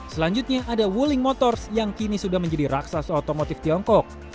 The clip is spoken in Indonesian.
selanjutnya ada wuling motors yang kini sudah menjadi raksasa otomotif tiongkok